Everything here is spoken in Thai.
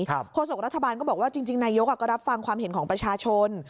โฆษกรัฐบาลก็บอกว่าจริงนายกก็รับฟังความเห็นของประชาชน